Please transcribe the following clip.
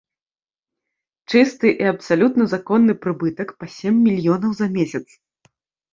Чысты і абсалютна законны прыбытак па сем мільёнаў за месяц.